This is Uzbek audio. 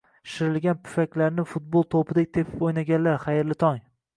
Shishirilgan pufaklarni futbol to'pidek tepib o'ynaganlar, xayrli tong!